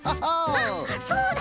あっそうだ！